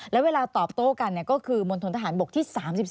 แล้วเวลาตอบโต้กันก็คือมณฑนทหารบกที่๓๒